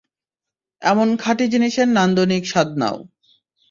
এমন খাঁটি জিনিসের নান্দনিক স্বাদ নাও।